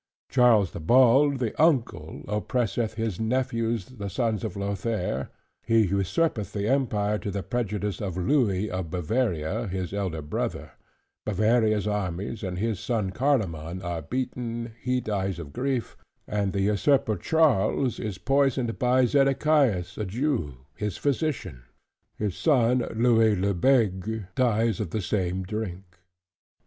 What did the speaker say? Charles the Bald, the uncle, oppresseth his nephews the sons of Lothair, he usurpeth the Empire to the prejudice of Louis of Bavaria his elder brother; Bavaria's armies and his son Carloman are beaten, he dies of grief, and the usurper Charles is poisoned by Zedechias a Jew, his physician, his son Louis le Bègue dies of the same drink.